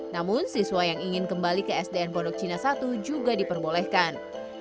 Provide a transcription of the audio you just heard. namun siswa yang ingin kembali ke sdn pondok cina satu juga diperbolehkan